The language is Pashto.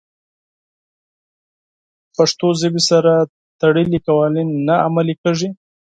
د پښتو ژبې سره تړلي قوانین نه عملي کېږي.